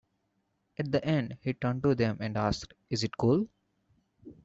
At the end, he turned to them and asked, Is it cool?